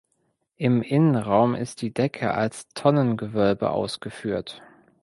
Im Innenraum ist die Decke als Tonnengewölbe ausgeführt.